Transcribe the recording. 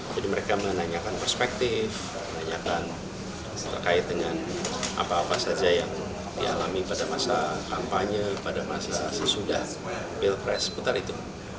jadi mereka menanyakan perspektif menanyakan terkait dengan apa apa saja yang dialami pada masa kampanye pada masa sesudah pilpres putar itu